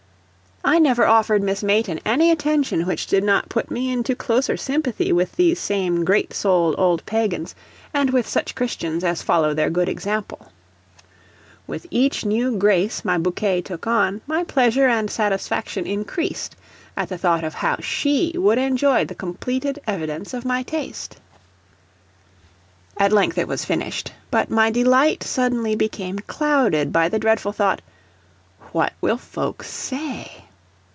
I never offered Miss Mayton any attention which did not put me into closer sympathy with these same great souled old Pagans, and with such Christians as follow their good example. With each new grace my bouquet took on, my pleasure and satisfaction increased at the thought of how SHE would enjoy the completed evidence of my taste. At length it was finished, but my delight suddenly became clouded by the dreadful thought, "What will folks say?"